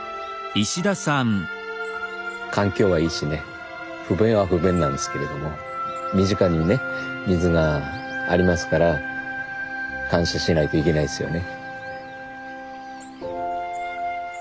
環境はいいしね不便は不便なんですけれども身近にもね水がありますから感謝しないといけないっすよね。